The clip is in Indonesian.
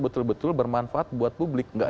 betul betul bermanfaat buat publik enggak